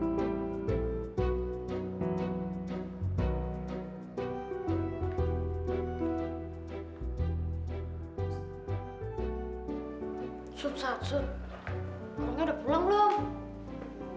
orangnya udah pulang belum